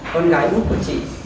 con gái út của chị